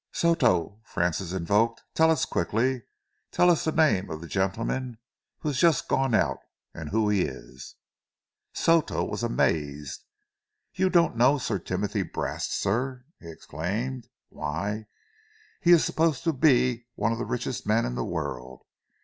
"Soto," Francis invoked, "tell us quickly tell us the name of the gentleman who has just gone out, and who he is?" Soto was amazed. "You don't know Sir Timothy Brast, sir?" he exclaimed. "Why, he is supposed to be one of the richest men in the world!